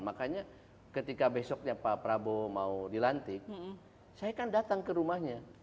makanya ketika besoknya pak prabowo mau dilantik saya kan datang ke rumahnya